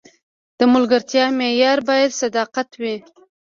د ملګرتیا معیار باید صداقت وي.